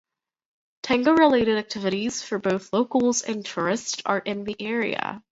Tango-related activities for both locals and tourists are in the area.